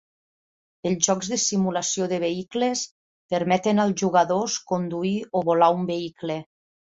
Els jocs de simulació de vehicles permeten als jugadors conduir o volar un vehicle.